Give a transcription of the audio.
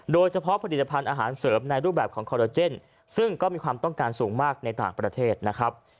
โดยเฉพาะผลิตภัณฑ์อาหารเสริมในรูปแบบของคอลโลเจนซึ่งก็มีความต้องการสูงมากในต่างประเทศนะครับ